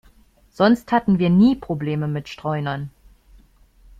Sonst hatten wir nie Probleme mit Streunern.